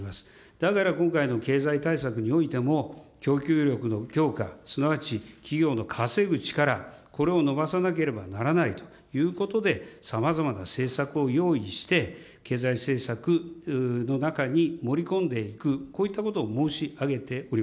だから今回の経済対策においても、供給力の強化、すなわち企業の稼ぐ力、これを伸ばさなければならないということで、さまざまな政策を用意して、経済政策の中に盛り込んでいく、こういったことを申し上げており